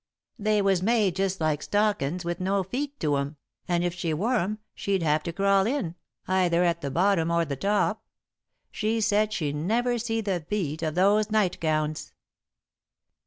They was made just like stockin's with no feet to 'em, and if she wore 'em, she'd have to crawl in, either at the bottom or the top. She said she never see the beat of those nightgowns."